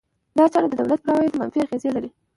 دا چاره د دولت پر عوایدو منفي اغېز لري.